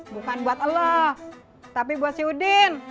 bukan buat lo tapi buat si udin